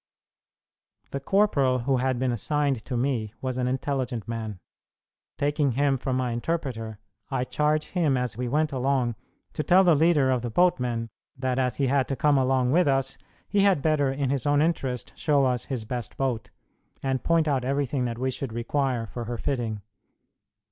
The corporal who had been assigned to me was an intelligent man. Taking him for my interpreter, I charged him as we went along to tell the leader of the boatmen that as he had to come along with us, he had better in his own interest show us his best boat, and point out everything that we should require for her fitting.